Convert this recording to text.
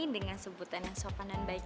dengan sebutan yang sopan dan baik